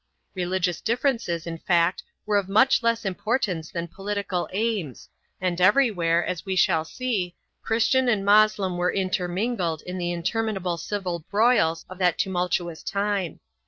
Religious differences, in fact, were of much less importance than political aims, and everywhere, as we shall see, Christian and Moslem were intermingled in the interminable civil broils of that tumultuous time.